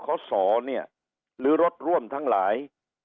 ขอสอเนี่ยหรือรถร่วมทั้งหลาย